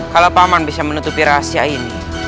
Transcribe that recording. kalau paman bisa menutupi rahasia ini